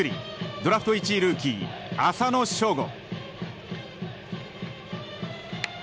ドラフト１位ルーキー浅野翔吾。